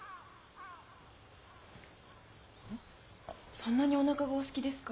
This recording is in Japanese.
そんなにおなかがおすきですか？